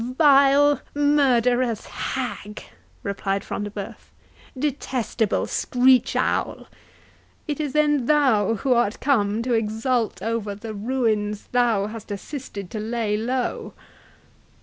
"Vile murderous hag!" replied Front de Bœuf; "detestable screech owl! it is then thou who art come to exult over the ruins thou hast assisted to lay low?"